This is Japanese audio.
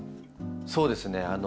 そうですね